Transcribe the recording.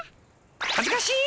恥ずかしい！